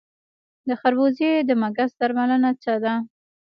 د خربوزې د مګس درملنه څه ده؟